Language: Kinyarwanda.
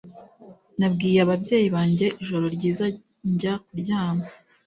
Nabwiye ababyeyi banjye ijoro ryiza njya kuryama